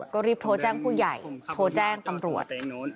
ก็รีบโทรแจ้งผู้ใหญ่โทรแจ้งตำรวจ